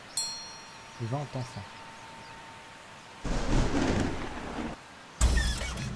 Vingt enfants.